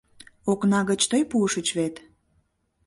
Окна гыч тый пуышыч вет?